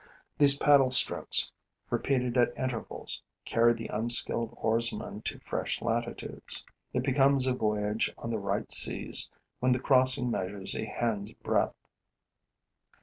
These paddle strokes, repeated at intervals, carry the unskilled oarsman to fresh latitudes. It becomes a voyage on the right seas when the crossing measures a hand's breadth.